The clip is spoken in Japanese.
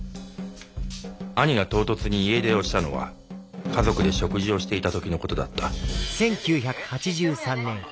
兄が唐突に家出をしたのは家族で食事していた時のことだった「知ってんで」。